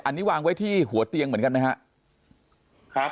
อันนี้วางไว้ที่หัวเตียงเหมือนกันไหมครับ